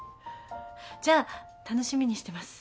じゃあ楽しみにしてます。